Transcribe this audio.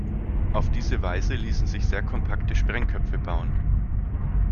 Auf diese Weise ließen sich sehr kompakte Sprengköpfe bauen.